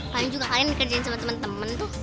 kalian juga kalian kerjain sama temen temen tuh